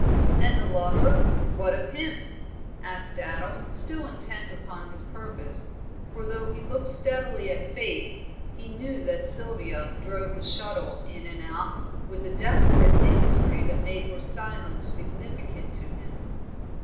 "And the lover, what of him?" asked Adam, still intent upon his purpose, for, though he looked steadily at Faith, he knew that Sylvia drove the shuttle in and out with a desperate industry that made her silence significant to him.